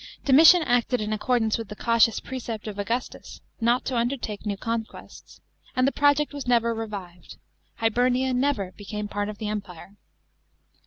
Domitian acted in accordance with the cautious precept of Augustus, not to undertake new conquests. And the project was never revived ; Hibernia never became part of the Rmpire.